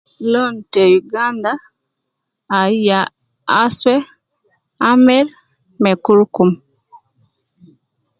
Lon te uganda ai ya aswe, amer me kurukum